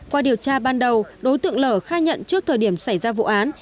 qua điều tra ban đầu đối tượng lở khai nhận trước thời điểm xảy ra vụ án